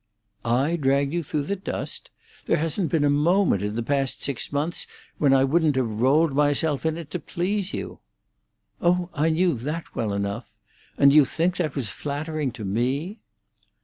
"I dragged you through the dust? There hasn't been a moment in the past six months when I wouldn't have rolled myself in it to please you." "Oh, I knew that well enough! And do you think that was flattering to me?"